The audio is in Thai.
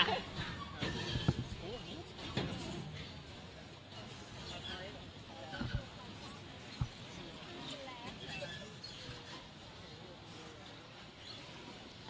โอเค